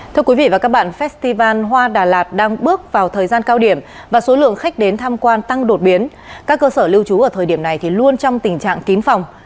thưa quý vị và các bạn festival hoa đà lạt đang bước vào thời gian cao điểm và số lượng khách đến tham quan tăng đột biến các cơ sở lưu trú ở thời điểm này luôn trong tình trạng kín phòng